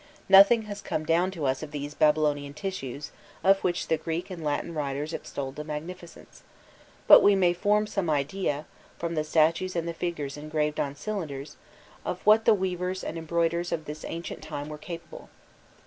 * Nothing has come down to us of these Babylonian tissues of which the Greek and Latin writers extolled the magnificence, but we may form some idea, from the statues and the figures engraved on cylinders, of what the weavers and embroiderers of this ancient time were capable.